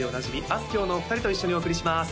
あすきょうのお二人と一緒にお送りします